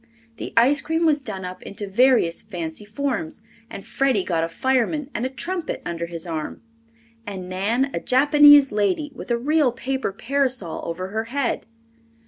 The ice cream was done up into various fancy forms, and Freddie got a fireman, with a trumpet under his arm, and Nan a Japanese lady with a real paper parasol over her head.